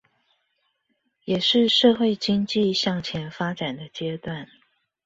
也是社會經濟向前發展的階段